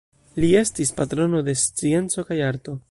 Li estis patrono de scienco kaj arto.